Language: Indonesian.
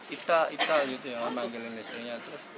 ita ita gitu yang memanggilin istrinya tuh